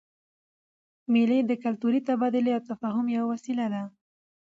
مېلې د کلتوري تبادلې او تفاهم یوه وسیله ده.